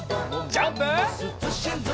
ジャンプ！